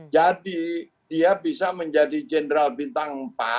jadi dia bisa menjadi general bintang empat